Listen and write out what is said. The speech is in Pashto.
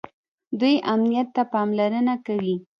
دوی امنیت ته پاملرنه کوي.